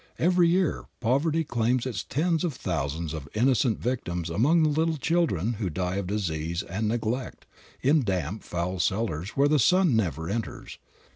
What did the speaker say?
Every year poverty claims its tens of thousands of innocent victims among the little children who die of disease and neglect in damp, foul cellars where the sun never enters.